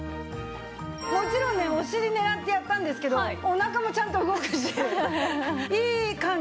もちろんねお尻狙ってやったんですけどおなかもちゃんと動くしいい感じで。